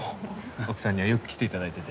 奥さんにはよく来ていただいてて。